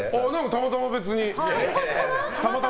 たまたま、別に。